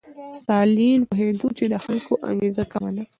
ستالین پوهېده چې د خلکو انګېزه کمه ده.